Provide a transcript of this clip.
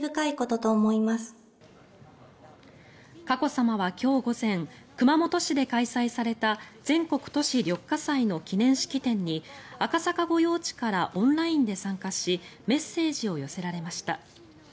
佳子さまは今日午前熊本市で開催された全国都市緑化祭の記念式典に赤坂御用地からオンラインで参加しメッセージを寄せられました。